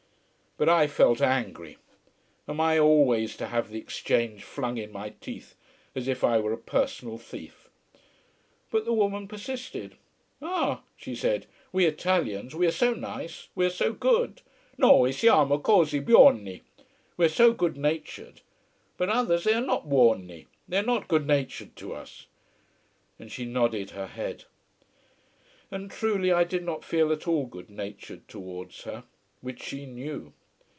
But I felt angry. Am I always to have the exchange flung in my teeth, as if I were a personal thief? But the woman persisted. "Ah," she said, "we Italians, we are so nice, we are so good. Noi, siamo così buoni. We are so good natured. But others, they are not buoni, they are not good natured to us." And she nodded her head. And truly, I did not feel at all good natured towards her: which she knew.